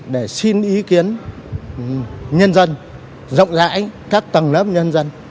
để xin ý kiến nhân dân rộng rãi các tầng lớp nhân dân